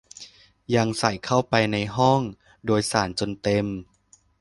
ยังใส่เข้าไปในห้องโดยสารจนเต็ม